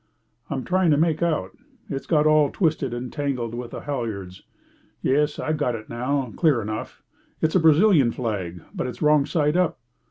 "I'm trying to make out. It's got all twisted and tangled with the halyards. Yes, I've got it now, clear enough. It's the Brazilian flag, but it's wrong side up."